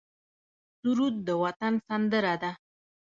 سرود د وطن سندره ده